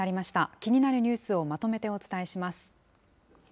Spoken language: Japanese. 気になるニュースをまとめてお伝えします。